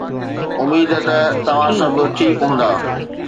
اميد ته توهان سڀ ٺيڪ هوندا.